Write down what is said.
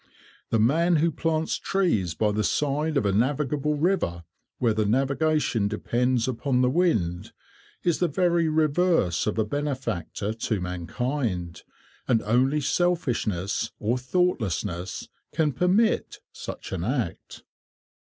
The man who plants trees by the side of a navigable river, where the navigation depends upon the wind, is the very reverse of a benefactor to mankind, and only selfishness or thoughtlessness can permit such an act.